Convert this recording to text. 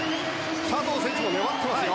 佐藤選手が粘ってますよ！